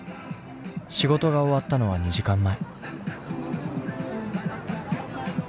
仕事が終わったのは２時間前。